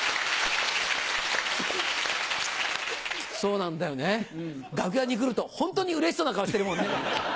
そうなんだよね楽屋に来るとホントにうれしそうな顔してるもんね。